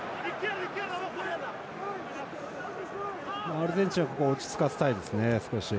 アルゼンチンはここ落ち着かせたいですね、少し。